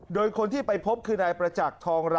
โดยคนที่ไปพบคือนายประจักษ์ทองระ